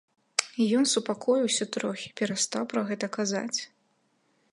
І ён супакоіўся трохі, перастаў пра гэта казаць.